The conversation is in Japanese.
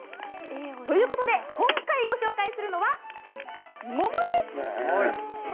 ということで今回ご紹介するのは桃です！